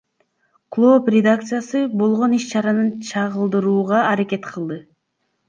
Клооп редакциясы болгон иш чараны чагылдырууга аракет кылды.